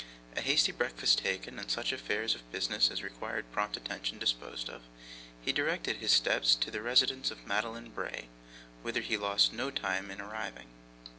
A hasty breakfast taken, and such affairs of business as required prompt attention disposed of, he directed his steps to the residence of Madeline Bray: whither he lost no time in arriving.